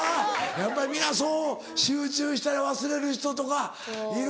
やっぱり皆そう集中したら忘れる人とかいるんだ。